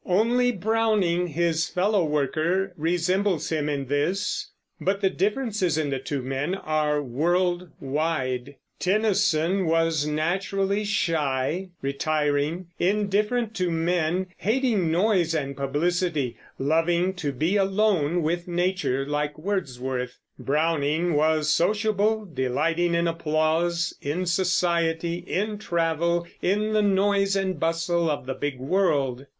Only Browning, his fellow worker, resembles him in this; but the differences in the two men are world wide. Tennyson was naturally shy, retiring, indifferent to men, hating noise and publicity, loving to be alone with nature, like Wordsworth. Browning was sociable, delighting in applause, in society, in travel, in the noise and bustle of the big world.